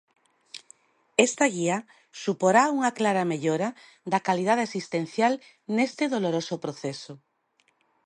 Esta guía suporá unha clara mellora da calidade asistencial neste doloroso proceso.